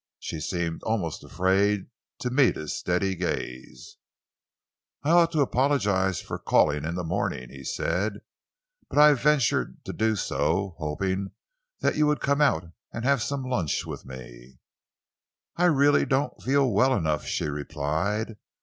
She seemed almost afraid to meet his steady gaze. "I ought to apologise for calling in the morning," he said, "but I ventured to do so, hoping that you would come out and have some lunch with me." "I really don't feel well enough," she replied.